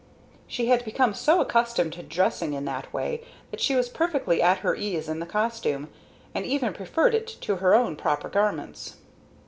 She had become so accustomed to dressing in that way that she was perfectly at her ease in the costume, and even preferred it to her own proper garments.